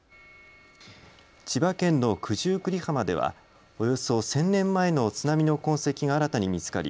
千葉県の九十九里浜ではおよそ１０００年前の津波の痕跡が新たに見つかり